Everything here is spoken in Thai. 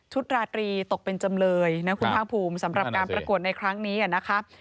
ตราตรีตกเป็นจำเลยนะคุณภาคภูมิสำหรับการประกวดในครั้งนี้นะคะ